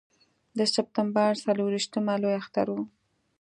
د سپټمبر څلرویشتمه لوی اختر و.